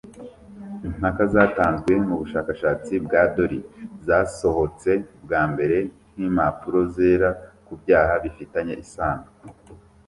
Impaka zatanzwe mu bushakashatsi bwa Doyle zasohotse bwa mbere nkimpapuro zera ku byaha bifitanye isano n’ibiyobyabwenge.